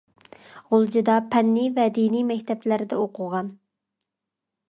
غۇلجىدا پەننىي ۋە دىنىي مەكتەپلەردە ئوقۇغان.